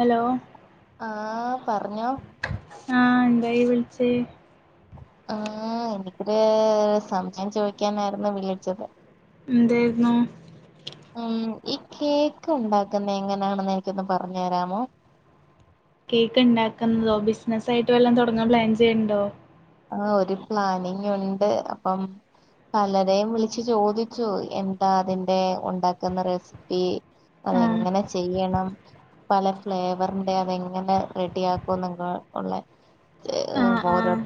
Hello ആഹ് പറഞ്ഞോ ആഹ് എന്താ ഇയ്യ് വിളിച്ചേ ആഹ് എനിക്കൊര് സംശയം ചോയ്ക്കാനായിരുന്നു വിളിച്ചത് എന്തേര്ന്നു ഉം ഈ കേക്ക് ഉണ്ടാക്കുന്ന എങ്ങനാണെന്ന് എനിക്കൊന്ന് പറഞ്ഞ്തരാമോ കേക്ക് ഇണ്ടാക്ക്ന്നതോ ബിസിനസ്സ് ആയിട്ട് വല്ലാം തൊടങ്ങാൻ പ്ലാൻ ചെയ്യ്‌ണ്ടോ ആ ഒരു പ്ലാനിങ് ഉണ്ട് അപ്പം പലരേയും വിളിച്ച്ചോദിച്ചു എന്താ അതിന്റെ ഉണ്ടാക്കുന്ന റെസിപ്പി ആഹ് അതെങ്ങനെ ചെയ്യണം പല ഫ്ലേവറിന്റെ അതെങ്ങനെ റെഡിയാക്കും ന്നെക്കെയുള്ള ആഹ് ആഹ് [unintelligible]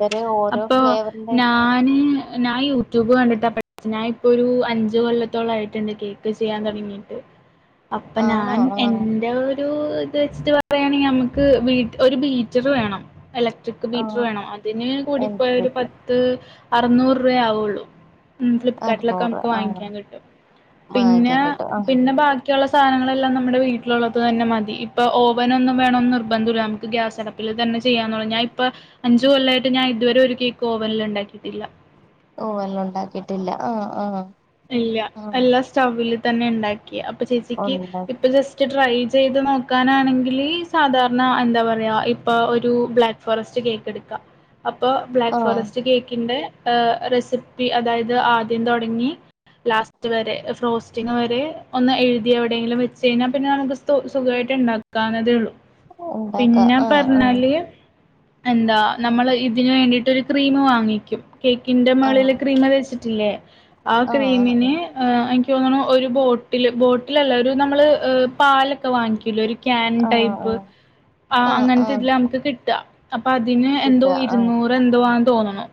അപ്പൊ ഞാന് ഞാൻ യൂട്യൂബ് കണ്ടിട്ട് പ ഞാനിപ്പോ ഒരു അഞ്ച് കൊല്ലത്തോളം ആയിട്ടുണ്ട് കേക്ക് ചെയ്യാൻ തുടങ്ങിട്ട് അപ്പം ആണോ ഞാൻ ആഹ് എന്റെ ഒരു ഇത് വെച്ചിട്ട് പറയാണെങ്കിൽ നമുക്ക് ബീറ്റ ഒരു ബീറ്റർ വേണം എല ഇലട്രിക്ക് ബീറ്റർ ആഹ് വേണം അതിന് കൂടിപ്പോയ എൺപത് ഒരു രൂപയ്ക്ക് പത്ത് അറുനൂറ് രൂപ ആവുള്ളൂ ഉ ഫ്ലിപ്കാർട്ടിലൊക്കെ അറുന്നൂറ് നമുക്ക് ആഹ് വാങ്ങിക്കാൻ കിട്ടും പിന്നെ വാങ്ങിക്കാൻ കിട്ടും ആഹ് പിന്നെ ബാക്കിയുള്ള സാധനങ്ങളെല്ലാം നമ്മുടെ വീട്ടിലുള്ളത് തന്നെ മതി ഇപ്പൊ ഓവനൊന്നും വേണമന്ന് നിർബന്ധമില്ല നമുക്ക് ഗ്യാസടപ്പിൽ തന്നെ ചെയ്യാന്ന് പറഞ്ഞാൽ ഇപ്പം അഞ്ചു കൊല്ലയി ഞാൻ ഇതുവരെ ഒരു കേക്ക് ഓവനിൽ ഉണ്ടാക്കിട്ടില്ല ഓവനിൽ ഉണ്ടാക്കിട്ടില്ല ആ ആ ഇല്ല എല്ലാ സ്റ്റൗവില് തന്നെ ഉണ്ടാ അപ്പൊ ആഹ് ചേച്ചിക്ക് ഉണ്ടാ ഇപ്പ ജസ്റ്റ് ട്രൈ ചെയ്ത് നോക്കാനാണെങ്കിൽ സാധാരണ എന്താ പറയാ ഇപ്പൊ ഒരു ബ്ലാക്ക് ഫോറസ്റ്റ് കേക്ക് എട്ക്കാ അപ്പൊ ബ്ലാക്ക് ആഹ് ഫോറസ്റ്റ് കേക്കിന്റെ ആ റെസിപ്പി അതായത് ആദ്യം തൊടങ്ങി ലാസ്റ്റ് വരെ ഫ്രോസ്റ്റിങ് വരെ ഒന്ന് എഴുതി എവിടെയെങ്കിലും വെച്ചഴിഞ്ഞാ പിന്നെ നമുക്ക് സുഖായിട്ട് ഇണ്ടാക്കാവുന്നതേ ഉള്ളു ഉണ്ടാക്കാം പിന്നെ ആഹ് പറഞ്ഞാല് എന്താ ആഹ് നമ്മള് ഇതിന് വേണ്ടിയിട്ടൊര് ക്രീം വാങ്ങിക്കും കേക്കിന്റെ മേളില് ആഹ് ക്രീമ് തേച്ച് ഇല്ലേ അ ആഹ് ക്രീമിന് ആ അയ് തോന്ന്ണു ഒരു ബോട്ടില് ബോട്ടിലല്ല ഒരു നമ്മള് പാല് വാങ്ങിക്യുലെ ഒരു ക്യാൻ ആഹ് ടൈപ്പ് ആഹ് ആ ആഹ് അങ്ങനത്തെ ആഹ് ഇതില നമുക്ക് കിട്ടാ അപ്പ അതിന് എന്തോ കിട്ടുക ആഹ് ഇരുന്നൂറ് എന്തോ ആ തോന്നുണു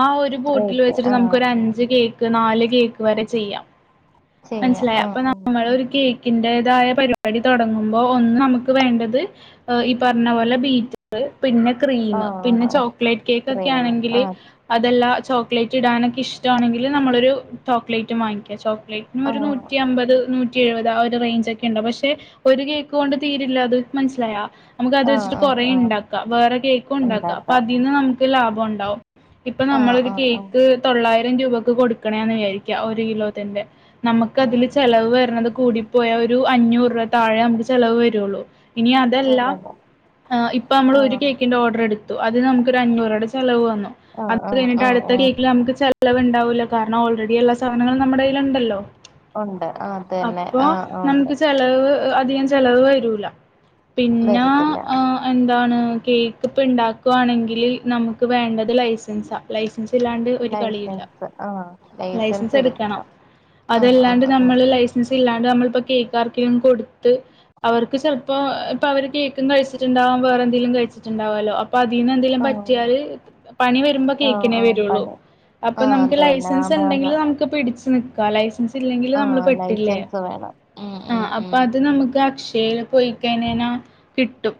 ആ ഒരു ബോട്ടിൽ റേറ്റ് വെച്ചിട്ട് ആഹ് ആഹ് നമുകൊരഞ്ച് കേക്ക് ത് നാല് കേക്ക് വരെ ചെയ്യാം ചെയ്യാം മനസ്സിലായ ആഹ് അപ്പൊ ആഹ് നമ്മളൊരു കേ കിന്റേതായ പരിപാടി തുടങ്ങുമ്പോ ഒന്ന് നമ്മക്ക് വേണ്ടത് ഈ പറഞ്ഞ പോലെ ബീറ്റ് പിന്നെ ക്രീമ് ആഹ് പിന്നെ ആഹ് ചോക്ലേറ്റ് കേക്ക് ഒക്കെ ക്രീം ആണെങ്കിൽ ആഹ് അതെല്ല ചോക്ലേറ്റ് ഇടാനൊക്കെ ഇഷ്ട്ടൊണെങ്കിൽ നമ്മളരു ചോക്ലേറ്റും വാങ്ങിക്ക്യാ ചോ ക്ലേറ്റിനു ഒരു ആഹ് നൂറ്റിഅമ്പത് നൂറ്റ് എഴുപതാ ഒരു റേഞ്ച് ഒക്കെ ഉണ്ട് പക്ഷെ ഒരു കേക്ക് കൊണ്ട് തീരില്ല അത് മനസ്സിലായാ നമുക്ക് അത് ആഹ് വെച്ചിട്ട് ആഹ് ആഹ് കുറേണ്ടാക്കാം വേറെ കേക്കും ണ്ടാക്കാം അപ്പൊ ഉണ്ടാക്കാം അതീന്ന് നമുക്ക് ലാഭം ഉണ്ടാവും ഇപ്പം ആഹ് നമ്മളൊരു ആഹ് ആഹ് കേക്ക് തൊള്ളായി രൂപക്ക് കൊടുക്കണേ ന്ന് വിചാരി ഒരു കിലോത്തിന്റെ നമ്മക്ക് അതില് ആഹ് ചെലവ് വരുന്നത് കൂടി പോയാ ഒരു അഞ്ഞൂറ് രൂപ താഴെ നമുക്ക് ചെലവ് വരുള്ളൂ ഇനി അതല്ല ചിലത് ആ ഇപ്പൊ നമ്മള് ഒരു ആഹ് കേക്കിന്റെ ഓർഡർ എടു അത് നമുക്ക് ഒരു അഞ്ഞൂറ് രൂപേടെ ചെലവ് വന്നു ആഹ് അത് ആഹ് കഴിഞ്ഞിട്ട് ആഹ് അടുത്ത ആഹ് കേക്കിൽ നമുക്ക് ചെലവ് ഉണ്ടാവുല്ല കാരണം ഓൾറെഡി ഉള്ള [unintelligible] നമ്മുടെകയ്യിൽ ഇണ്ടല്ലോ ഉണ്ട് ആ അത് തന്നെ ആ ആ നമുക്ക് ചെലവ് അധികം ചെലവ് വരൂല പിന്നെ വരത്തില്ല ആ എ കേക്ക് ഇപ്പൊ ഉണ്ടാക്കുവാണെങ്കിൽ നമുക്ക് വേണ്ടത് ലൈസൻസാ ലൈ ലൈസൻസ് ആ ലൈസൻസ് ലൈസെൻസ് എടുക്കണം അത് ആഹ് അല്ലാണ്ട് ആഹ് ആഹ് നമ്മള് ലൈസെൻസ് ഇല്ലാണ്ട് നമ്മളിപ്പോ കേക്ക് ആർക്കേലും കൊടുത്ത് അവർക്ക് ചിലപ്പോ ഇപ്പൊ അവര് കേക്കും കഴിച്ചിട്ടുണ്ടാവും വേറെന്തേലും കഴിച്ചിട്ടുണ്ടാവല്ലോ ഇപ്പൊ അതിന്ന് എന്തേലും ആഹ് പറ്റിയാല് പണി വരുമ്പോ ആഹ് കേക്കീനേ ആഹ് വരുള്ളൂ പണി അപ്പൊ ആഹ് നമുക്ക് അതന്നെ ലൈസൻസ് ആന്ന് ആന്ന് ഇണ്ടെങ്കില് നമുക്ക് [unintelligible] ഇല്ലങ്കില്ല് നമ്മള് ആഹ് പെട്ടില്ലേ ലൈസൻസ് വേണം ഉം ആ ഉം അപ്പൊ ഉം അത് നമുക്ക് [unintelligible] [unintelligible] പൊയിക്കനേന കിട്ടും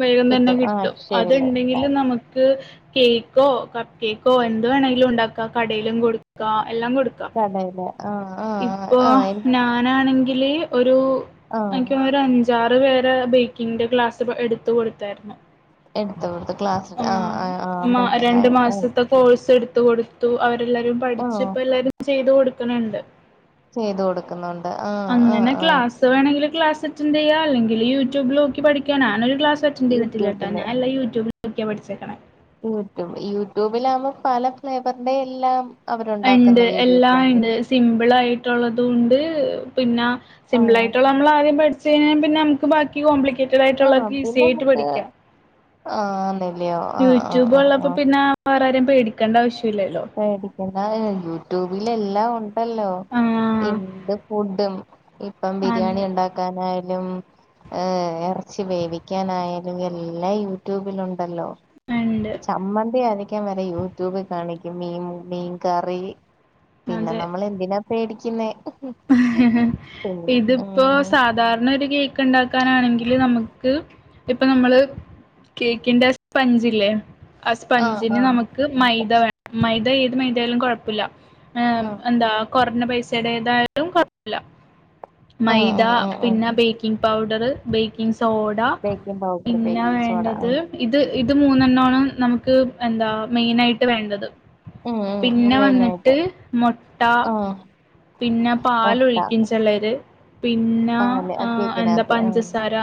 വേഗം തന്നെ ആഹ് കിട്ടും അത് അക്ഷയയില് ഇണ്ടെങ്കില് നമുക്ക് കേക്കോ കപ്പ് കേക്കോ എന്ത് വേണേലും ഉണ്ടാക്കാ കടയിലും കൊടുക്കാ എല്ലാം കൊ കടേൽ ആ ആ ആഹാ ഇതില് ഒരു എനിക്ക് ഒരു അഞ്ചാറ് പേ ബേക്കിന്റെ ക്ലാസ് എടുത്ത് കൊടുത്തായിരുന്നു എടുത്തു കൊടുത്ത ക്ലാസ് ആ ആഹാ ആ മനസ്സിലായി ആ എടുത്തുകൊടുത്തു അ എല്ലാരും പഠിച്ച് ഇപ്പെ എല്ലാരും ചെയ്ത് കൊടുക്കണ്ണ്ട് ചെയ്തു കൊടുക്കുന്നുണ്ട് ആ ആ ആ ക്ലാസ് വേണമെങ്കിൽ ക്ലാസ് അറ്റൻഡ് ചെയ്യുക അല്ലെങ്കിൽ യൂട്യൂബിൽനോക്കി പഠിക്കാ ഞാൻ ഒരു ക്ലാസ് ക്ലാസ്സ്‌ അറ്റൻഡ് ചെയ്തില്ലാട്ടോ യൂട്യൂബില് ഞാൻ എല്ലാം യൂട്യൂബിൽ [unintelligible] പഠിച്ചേക്കണേ യൂട്യൂബിൽ യൂട്യൂബിലാവുമ്പോ പല ഫ്ലേവറിന്റെ എല്ലാം ഇണ്ട് അവരുണ്ടാക്കുന്ന വീഡിയോസ് എല്ലാം ഇണ്ട് ഉണ്ടല്ലോ സിമ്പിൾ ആയി [unintelligible] ഉണ്ട് പിന്നെ സിമ്പിൾ ആഹ് ആയിട്ടുള്ള നമ്മള് ആദ്യം [unintelligible] നമുക്ക് ബാക്കി കോം [unintelligible] ഈസ്സി ആയിട്ട് പീസ് ഏറ്റു പഠിക്കാം ആ ന്ന് യൂട്യൂബ് ഉള്ളപ്പോ പിന്നെ വേറെ പേടിക്കണ്ടവശ്യം ഇല്ലല്ലോ പിന്നെ യൂട്യൂബില എല്ലാം ഉൺ ല്ലോ ആ എന്ത് ഫുഡും ഇപ്പം ബിരിയാണി അതെ ഉണ്ടാക്കാനായി യും ഇറച്ചി വേവിക്കാനായാലും എല്ലാം യൂട്യൂബിൽ ഉണ്ടല്ലോ ഉണ്ട്. ചമ്മന്തി അര ക്കാം വരെ യൂട്യൂബ് കാണിക് മീൻ മീൻ കറി പിന്നെ അതെ. നമ്മൾ എന്തിനാ പേടിക്കിന്നെ ഇതിപ്പോ ഉം സാധാരണ ഒരു കേക്ക് ഇണ്ടാക്കാനാണെങ്കില് നമക്ക് ഇപ്പൊ നമ്മള് കേക്കിന്റെ സ്പഞ്ച് ല്ലേ ആ ആഹ് സ്പഞ്ചിന് ആഹ് നമുക്ക് മൈദ വേണം മൈദ ഏത് മൈദായാലും കുഴപ്പല്ല ഏ ആഹ് എന്താ കൊറഞ്ഞ പൈസ ചെടേതായം ലും കുഴപ്പില്ല ആഹ് മൈദ ആഹ് ആഹ് പിന്നെ ആഹ് baking powder bakings soda baking powder പിന്നെ ബേക്കിംഗ് സോഡ വേണ്ടത് ഇത് ഇത് മൂന്ന് എണ്ണാണ് നമക്ക് എന്താ മെയിൻ ആയിട്ട് വേണ്ടത് ഉം പിന്നെ ഉം വന്നിട്ട് മെയിനായിട്ട് മുട്ട ആഹ് പിന്നെ മുട്ട പാലൊഴിക്കും ചിലര് പിന്നെ പാല് എഹ് എന്താ കേക്കിനകത്ത് ഉം പഞ്ചസാര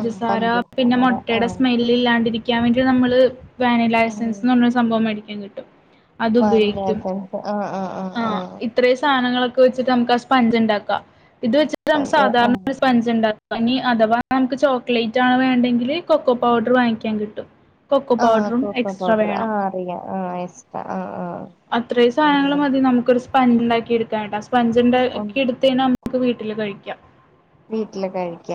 ആ പിന്നെ പഞ്ചസാര ആ മുട്ടയുടെ സ്മെൽ ഇല്ലാണ്ടിരി ക്കാൻ വേണ്ടി നമ്മള് വാനില ഉം എസ്സെൻസ് ന്ന സംഭവം മേടിക്കാൻ കിട് ട്ടും അത് ഉപയോഗിക്കും ആ ഇത്രയും സാധനങ്ങളൊക്കെ ക് ച്ചിട്ട് നമക്ക ആ സ്പൻജ് ഉണ്ടാക്കാ ഇത് വെച്ച പഞ്ച സാധാരണ ഒരു ആ സ്പഞ്ച് ഇണ്ട ഇനി അഥവാ നമുക്ക് ചോക്ലേറ്റ് ആണ് വേണ്ടെങ്കില് കൊക്കോ പൗഡർ വാങ്ങിക്കാൻ കിട്ടും കൊക്കോ ആ പൗഡറും കോക്കോ എക്സ്ട്രാ പൗഡർ ആ വേണം അറിയാ ആ ഇഷ്ടാ ആ ആ ഉം. [unintelligible] പഞ്ചണ്ടാക്കി ഉണ്ട് എടുത്തേനാ നമ്മുക്ക് ഒരു [unintelligible] കഴിക്കാം. വീട്ടില് കഴിക്ക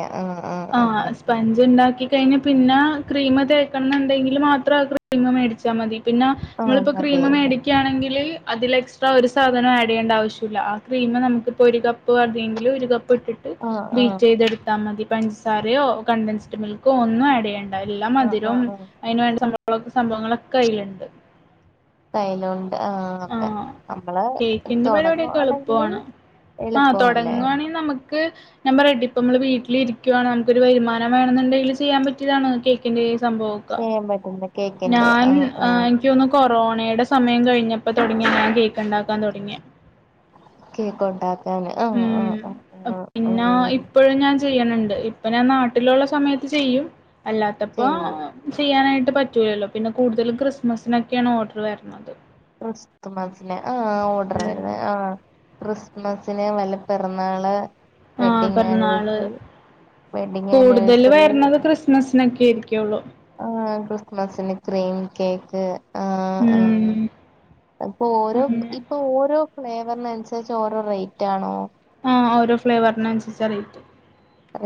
ആ സ്പഞ്ച് ണ്ടാക്കി കഴിഞ്ഞു പിന്ന ക്രീമ് തേക്ന്നുണ്ടെങ്കിലും മാത്രം ആ ക്രീമ് മേടിച്ചാ മതി. പിന്നേ ആ ഇങ്ങള് പ്പം മതി ക്രീമ് മേടിക്കാണെങ്കില് അതില് എക്സ്ട്രാ ഒരു സാധനം ആഡ് ചെയ്യേണ്ട ആവശല്യ ആ ക്രീമ് നമുക്കിപ്പോ ഒരു കപ്പ്‌ പ്പെങ്കില ഒരു കപ്പ് ഇട്ടിട്ട് ആ ആ ബീറ്റ് യ്തെടുത്താ മതി പഞ്ചസാരയോ കണ്ടൻസ് മിൽക്കോ ഒന്നും ആഡ് ചെയ്യണ്ട എല്ലാ ആ ആ മധുരം ആ അയിനുവേണ്ട സ ള സംഭവങ്ങളൊക്കെ അയ്ല്ണ്ട്. കയ്ലോ ആ കേക്കിന്റെ പരിപാടിയൊക്കെ തുടങ്ങുവാണെങ്കില് എളുപ്പാണ് ആ എളുപ്പമല്ലേ തൊടങ്ങാണെങ്കി നമുക്ക് ഞമ്മള് റെഡിപ്പ നമ്മള് വീട്ടിലിരിക്കുവയാണ് നമുക്ക് ഒരു വരുമാനം വേണന്നുണ്ടെല് ചെയ്യാൻ പറ്റിയതണോ കേക്കിന്റെ സംഭവുക്കെ ചെയ്യാൻ പറ്റുന്ന കേക്കിന്റെ ഞാൻ ആ എനിക്ക് തോന്നുന്നു കൊറോ യുടെ സമയം കഴിഞ്ഞ ഇപ്പൊ തുടങ്ങ ഞാൻ കേക്ക് ണ്ടാക്കാൻ തുടങിയെ. കേക്ക് ഉണ്ടാക്കാന് ആ ആ ഉം ആ ചെയ്യ്ന്ണ്ട് ഇപ്പൊ ഞാൻ നാട്ടിലുള്ള സമയത്ത് ചെയ്യും അല്ലാത്തപ്പോ ചെയ്യും ചെയ്യാനായി പറ്റൂലല്ലോ പിന്നെ കൂടുതലും ക്രിസ്മസിനോക്കെആണ് ഓർഡർ വര്ണത്. ക്രിസ്തുമസിനെ അ ആ ഉം ഓർഡർവര്ന്ന ആ ക്രിസ്മസ് ന് വല്ല പിറന്നാള് ആ വെഡ്ഡിങ് പിറന്നാള് ആനിവേഴ്സറി വെഡ്ഡിങ് കൂടുതല് ആനിവേഴ്സറി വര്ണത് ക്രിസ്മസിനൊക്കെ ആയിരിക്കള്ളൂ. ആ ക്രിസ്മസിന് ക്രീം കേക്ക് ആ ആ ഉം അപ്പൊ ഓരോ അങ്ങനെ ഇപ്പൊ ഓരോ ഫ്ലേവറിനനുസരിച്ച് ഓരോ റേറ്റ് ആണോ? ആ ഓരോ ഫ്ലേവറിനനുസരിച്ച റേറ്റ് ഉം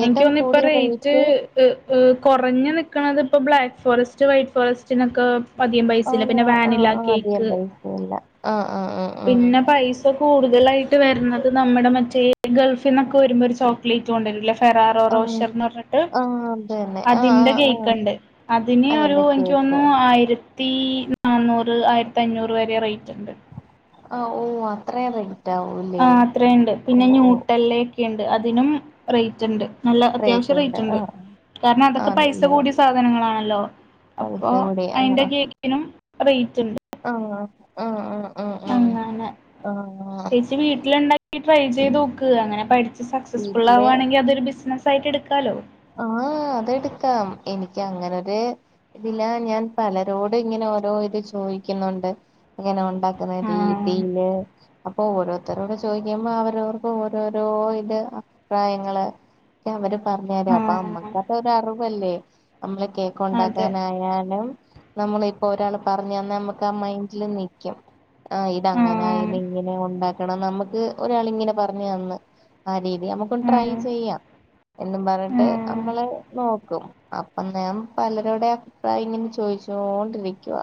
എനിക്ക് തോന്നുന്നു ഇപ്പൊ റേറ്റ് ക് കുറഞ് നിക്ണത് ഇപ്പോ ബ്ലാക്ക് ഫോറസ്റ്റ് വൈറ്റ് ഫോറസ്റ്റിനൊക്കെ അധികം പൈസയില്ല പിന്നെ ആണ്ണോ ആ വാനില ആ അതികം കേക്ക് പൈസയില്ല ആ ആ ആ ടുതലായിട്ട് വരുന്നത് നമ്മുടെ മറ്റേ ഗൾഫിന്നൊക്കെ വരുമ്പോ ഒരു ചോക്ലേറ്റ് കൊണ്ടിരുല്ലേ ആഹ് ഫെറാറോറോഷർന്ന് റഞ്ഞിട്ട് ആഹ് അത് തന്നെ ആഹ് അതിന്റെ ആഹ് ഗേക്ക് ആഹ് ണ്ട് അതിന് ഒരു അതിന്റെ എനിക്ക് കേക്ക് തോന്നുന്നു ആയിര തീ നാന്നൂറ് ആയിരത്തഞ്ഞൂറ് വരെ റെയ്റ്റ്ണ്ട്. ആ ഓ അത്രേറെ ആ അത്രേണ്ട് പിന്നെ ന്യൂട്ടെല്ലയെക്കിണ്ട് അത് തിനും റെയ്റ്റ്ണ്ട്. നല്ല റേറ്റ് അത്യാവശ്യ ഉണ്ട് റെയ്റ്റ്ണ്ട് ആഹ് കാരണതൊക്കെ പൈസ അതല്ലയോ കൂടിയ സാധനങ്ങളാണ ലോ പൈസ അപ്പൊ അയിന്റെ കേക്കിനും റെയ്റ്റൊൻ ആ ആ ആ അങ്ങനെ ചേച്ചി വീട്ടിലൊണ്ടാ ട്രൈ ചെയ്തോക്ക് അങ്ങനെ പഠിച്ച് വീട്ടില് സക്സസ്ഫുള്ളാവാണെങ്കി അതൊരു ബിസ്നസ് യിറ്റെടുക്കാലോ ആ അതെടുക്കാം എനിക്കങ്ങനൊര് ഇതിലാ ഞാൻ പലരോട് ഇങ്ങനെ ഓരോ ഇത് ചോയിക്കുന്നുണ്ട് ങ്ങ്നെഒ ണ്ടാക്കുന്ന ആ രീതീല് അപ്പൊ ഓരോ ത്തരോട് ചോദിക്കുമ്പോ അവരവർക്ക് ഓരോരോ ഇത് അപ്രായങ്ങള് അവര് ആ പറഞ്ഞാരാം പ്പമ്മക്കൊക്കെരറിവല്ലേ നമ്മള് കേക്ക് അതെ ഉണ്ടാക്കാനായാലും നമ്മളിപ്പൊ ഒരാള് പറഞ്ഞ് അന്ന നമ്മക്കാ മൈന്ഡില് നിക്കും ആഹ് ആ ഇതങ്ങനെ ഇതിങ്ങനെ ഉണ്ടാ എടാ നമ്മക്ക് ഒരാളിങ്ങനെ പറഞ്ഞ് തന്ന് ആ രീ ഇയ് ഞമ്മക്കും ആ ട്രൈ ചെയ്യാം എന്നും ആ പറഞ്ഞിട്ട് നോക്കും അപ്പൊ ഞാം പലരുടെ അഭിപ്രായം ഇങ്ങനെ ചോദിച്ചോൻടിരിക്കുവാ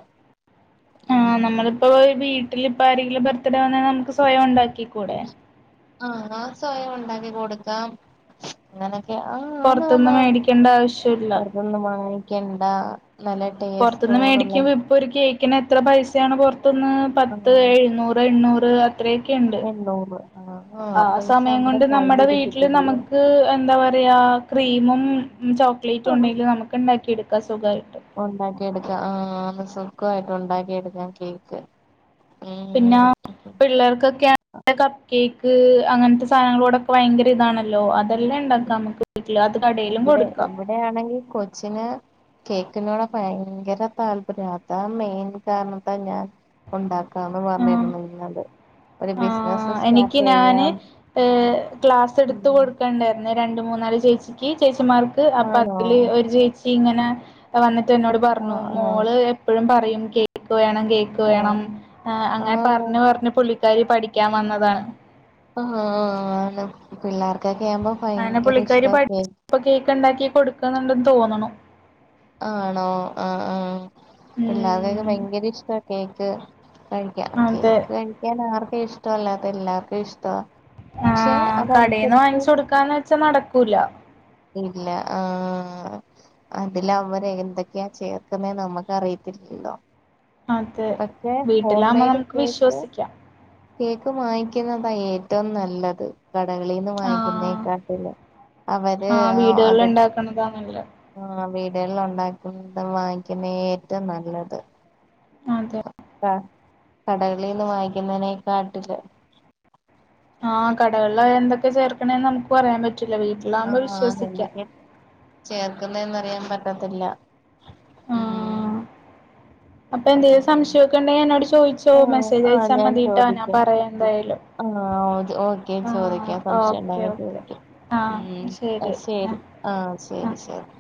ആ നമ്മളിപ്പോ ഒരു വി ട്ടിലിപ്പാരെങ്കിലും ബർത്ത്ഡേ ആണെ നമുക്ക് സ്വയം ഒണ്ടാക്ക് ക്കികൂടേ ആ ആസാനം ഒണ്ടാക്കി കൊടുക്കാം ങ്നെ ആ ആന്ന് ആന്ന് പുറത്തുനിന്ന് മേടിക്കേണ്ട ആവശ്യമില്ല ആന്ന് [unintelligible] കെണ്ടാ പൊറത്ത്ന്ന് മേടിക്കുമ്പം ഇപ്പൊരു കേക്കിനെത്ര പൈസയാണ് പൊറത്തൂന്ന് പത്ത് ആഹ് എഴുനൂറ് എണ്ണൂറ് [unintelligible] ത്രയൊക്കെയുണ്ട് എണ്ണൂറ് ആഹ് ആ ആഹ് പൈസ സമയം കൊണ്ട് നമ്മുടെ വീട്ടില് കയ്യിലിരിക്കത്തില്ലയോ നമുക്ക് എന്താ പറയാ ക്രീമും മ്മ് ചോക്ലേറ്റ് ആ ഉണ്ടെങ്കിൽ നമുക്ക് ഉണ്ടാക്കി എടുക്ക ഒക്കെ സുഗായി ക്കായിട്ട് ഉണ്ടാക്കി എടുക്കാൻ കേക്ക് പിന്നാ ഉം പിള്ളേർക്കൊക്കെ കപ്പ് കേക്ക് അങ്ങനത്തെ സാധനങ്ങളോടൊക്കെ ഭയങ്കര ഇതാണല്ലോ അത് എല്ലാംണ്ടാക്കാം അമ്മക്ക് വീട്ടിൽ അത് കടയിലും ഇവിടെ കൊടുക്കാം ഇവിടെയാണെങ്കിൽ കൊച്ചിന് കേക്കിനോട് ഭയങ്കര താല്പര്യ അതാ മെയിൻ കാരണത്താ ഞാൻ ഉണ്ടാ കാന്ന് പറഞ്ഞതരുന്നല്ണ്ട് ആ എനിക്ക് ഞാന് ഏ ക്ലാസ്സ് എടുത്ത ഉം കൊടുക്കണ്ടായിരുന്നേ രണ്ട് മൂന്നാല് ചേച്ചിക്ക് ചേച്ചി മാർക്ക് അപ്പൊ ആണോ അതില് ഒരു ചേച്ചി ഇങ്ങനെ വന്നിട്ട് എന്നോട് പറഞ്ഞു ആഹ് ആഹ് മോള് എപ്പോഴും പറഞ്ഞ ഫയും കേക്ക് വേണം കേക്ക് ആഹ് വേണം അങ്ങനെ ആഹ് പറഞ് പറഞ് പുള്ളിക്ക് ക്കാരി പഠിക്കാൻ വന്നതാണ് പിള്ളേർ അങ്ങനെ പുള്ളിക്കാരി പഠിച്ച ഇപ്പൊ കേക്ക് ഉണ്ടാക്കി കൊടു ക്കുന്നുണ്ടെന്ന് തോനുണ് ആണോ ആ ആ പിള്ളാതെയൊക്കെ ഉം ഭയങ്കര ഇഷ്ട കേക്ക് കഴിക്ക കേക്ക് അതെ കഴിക്കാൻ ആർക്ക ഇഷ്ടോല്ലാ എല്ലാർക്കും ഇഷ്ട ആ കടയിൽന്ന് വാങ്ങിച്ച കൊടുക്കാന്ന് വെച്ചാ നട ടക്കൂല ഇല്ല ആ അതില അവര് എന്തൊക്കെയാ ചേർക്കുന്നേ നമ്മുക്ക് അറിയത്തില്ലല്ലോ അതെ പക്ഷെ ഹോം വീട്ടിലാപോ മെയ്ഡ് നമുക്ക് കേക്ക് വിശ്വസിക്കാം കേക്ക് വാങ്ങിക്കുന്നതാഏറ്റവും നല്ലത് കടകളിൽന്ന് ആഹ് വാങ്ങിക്കുന്നേക്കാട്ടിലും അവര് ആഹ് ആ വീടുകളിൽ അത ഉണ്ടാക്കണതാ നല്ലത് ആ വീട്ടില് ഉണ്ടാകുന്നത് വാങ്ങിക്കിന്ന ഏറ്റവും നല്ലത് അതെ ആ കടകളിൽന്ന് വായിക്കുന്നതിനെ കാട്ടിലും ആ കടകളിലായ എന്തൊക്കെ ചേർക്കണേന്ന് നമുക്ക് പറയാൻ പ റ്റില വീട്ടിലാവുമ്പോ വിശ്വസിക്ക ചേർക്കുന്ന എന്ന അറിയാൻ പറ്റത്തില്ല ഉം ആഹ് അപ്പൊ എന്തേലും സംശയമൊക്കെ ഉണ്ടെങ്കിൽ എന്നോട് ചോദിച്ചോ ആ മെസ്സേജ് ആ അയച്ചാൽ ഞാൻ മതിട്ടാ ഞാൻ ചോദിക്കാം പറയാം എന്തായാലും ആ ഒ ഓക്കെ ആഹ് ചോദിക്കാം സംശയം ഓക്കെ ഉണ്ടിൽ ഓക്കെ ചോദിക്കാം ആഹ് ഉം ശരി ആഹ് ആ ആഹ് ശരി ശരി